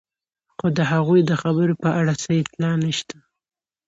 خو د هغوی د خبرو په اړه څه اطلاع نشته.